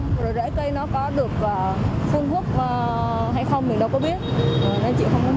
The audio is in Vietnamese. mình đâu có biết nên chị không có mua